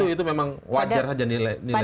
itu memang wajar saja nilai segitu ya